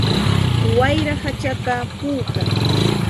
Wayra hachata puukan.